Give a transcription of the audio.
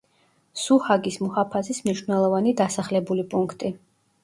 სუჰაგის მუჰაფაზის მნიშვნელოვანი დასახლებული პუნქტი.